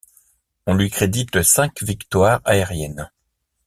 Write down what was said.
On lui crédite cinq victoires aériennes.